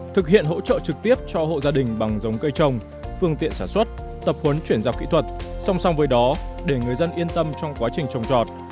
thực hiện hỗ trợ trực tiếp cho hộ gia đình bằng giống cây trồng phương tiện sản xuất tập huấn chuyển giao kỹ thuật song song với đó để người dân yên tâm trong quá trình trồng trọt